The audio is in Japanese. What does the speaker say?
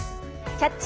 「キャッチ！